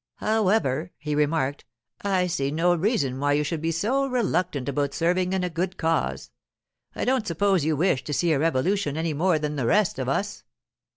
'However,' he remarked, 'I see no reason why you should be so reluctant about serving in a good cause—I don't suppose you wish to see a revolution any more than the rest of us.